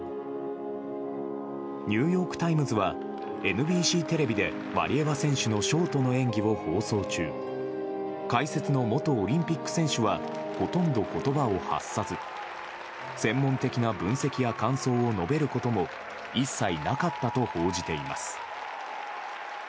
ニューヨーク・タイムズはＮＢＣテレビでワリエワ選手のショートの演技を放送中解説の元オリンピック選手はほとんど言葉を発さず専門的な分析や感想を述べることも一切なかったと報じています。